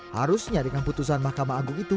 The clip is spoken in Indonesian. harusnya dengan putusan mahkamah agung itu